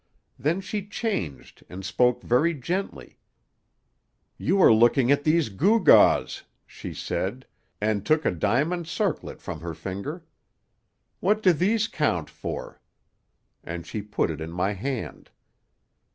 Then she changed and spoke very gently. 'You are looking at these gewgaws,' she said, and took a diamond circlet from her finger. 'What do these count for?' And she put it in my hand.